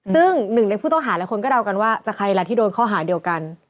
ซึ่งหนึ่งในผู้ต้องหาหลายคนก็เดากันว่าจะใครล่ะที่โดนข้อหาเดียวกัน